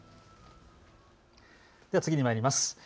次にまいります。